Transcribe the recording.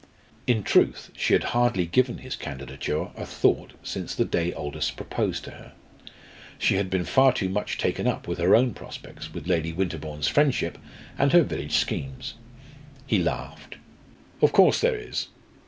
In truth she had hardly given his candidature a thought since the day Aldous proposed to her. She had been far too much taken up with her own prospects, with Lady Winterbourne's friendship, and her village schemes. He laughed. "Of course there is.